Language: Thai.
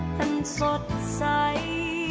ทันสดใส